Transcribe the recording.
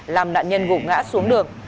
làm nạn nhân gục ngã xuống đường